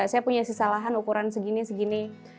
saya punya sisa lahan ukuran segini segini